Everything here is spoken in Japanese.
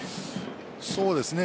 そうですね。